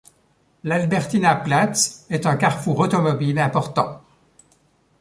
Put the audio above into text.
L'Albertinaplatz est un carrefour automobile important.